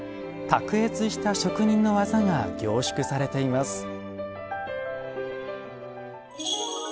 卓越した職人の技が凝縮されています。